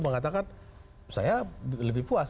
mengatakan saya lebih puas